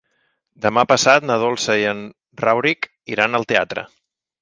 Demà passat na Dolça i en Rauric iran al teatre.